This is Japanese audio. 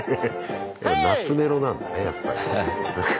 懐メロなんだねやっぱり。